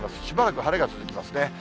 しばらく晴れが続きますね。